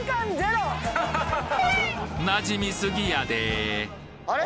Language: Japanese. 馴染みすぎやでぇあれ？